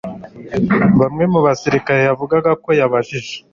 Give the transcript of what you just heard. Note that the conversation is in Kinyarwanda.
Bamwe mu basirikare yavugaga ko yabajije